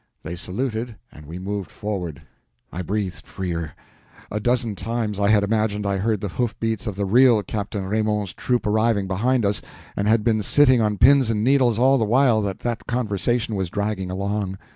They saluted, and we moved forward. I breathed freer. A dozen times I had imagined I heard the hoofbeats of the real Captain Raymond's troop arriving behind us, and had been sitting on pins and needles all the while that that conversation was dragging along.